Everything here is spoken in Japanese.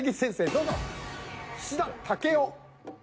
どうぞ。